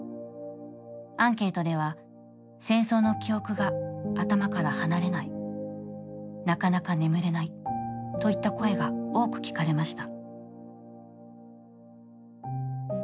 アンケートでは「戦争の記憶が頭から離れない」「なかなか眠れない」といった声が多く聞かれました。